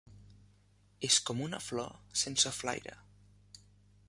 Es com una flor sense flaire